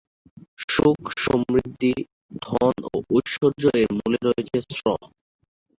সুখ, সমৃদ্ধি, ধন ও ঐশ্বর্য এর মূলে রয়েছে শ্রম।